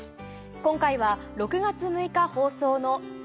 今回は６月６日放送の『ザ！